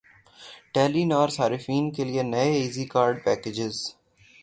ٹیلی نار صارفین کے لیے نئے ایزی کارڈ پیکجز